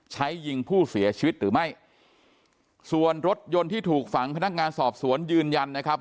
ใช้ยิงผู้เสียชีวิตหรือไม่ส่วนรถยนต์ที่ถูกฝังพนักงานสอบสวนยืนยันนะครับ